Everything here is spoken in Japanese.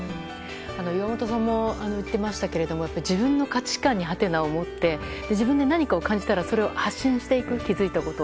岩本さんも言っていましたが自分の価値観にはてなを持って何かを感じたら発信していく気づいたことを。